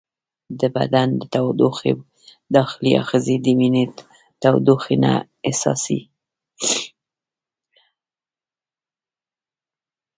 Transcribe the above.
د بدن د تودوخې داخلي آخذې د وینې تودوخې ته حساسې دي.